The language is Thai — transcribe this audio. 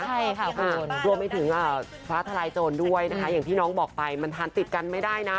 ใช่ค่ะคุณรวมไปถึงฟ้าทลายโจรด้วยนะคะอย่างที่น้องบอกไปมันทานติดกันไม่ได้นะ